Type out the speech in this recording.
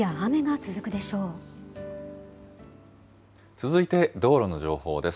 続いて道路の情報です。